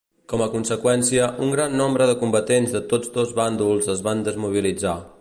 Com a conseqüència un gran nombre de combatents de tots dos bàndols es van desmobilitzar.